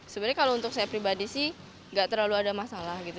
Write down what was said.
sebenarnya kalau untuk saya pribadi sih nggak terlalu ada masalah gitu